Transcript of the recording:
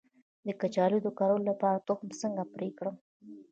د کچالو د کرلو لپاره تخم څنګه پرې کړم؟